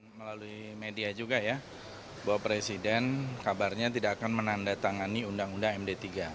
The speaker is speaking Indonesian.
melalui media juga ya bahwa presiden kabarnya tidak akan menandatangani undang undang md tiga